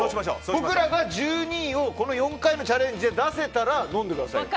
僕らが１２位をこの４回のチャレンジで出せたら飲んでくださいよ。